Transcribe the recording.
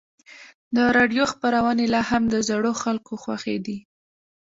د راډیو خپرونې لا هم د زړو خلکو خوښې دي.